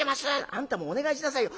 あんたもお願いしなさいよ」。